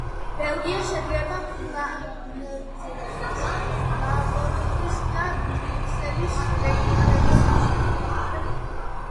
ბელგია შედგება ფლანდრიის, ვალონიის და ბრიუსელის რეგიონებისგან.